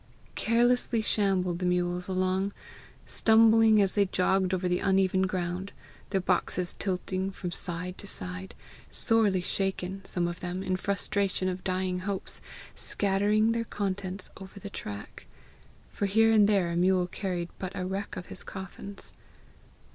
Carelessly shambled the mules along, stumbling as they jogged over the uneven ground, their boxes tilting from side to side, sorely shaken, some of them, in frustration of dying hopes, scattering their contents over the track for here and there a mule carried but a wreck of coffins.